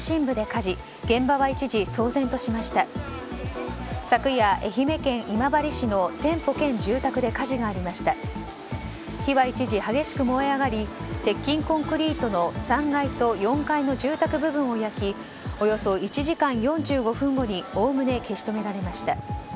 火は一時激しく燃え上がり鉄筋コンクリートの３階と４階の住宅部分を焼きおよそ１時間４５分後におおむね消し止められました。